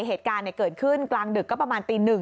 เหตุการณ์เกิดขึ้นกลางดึกก็ประมาณตี๑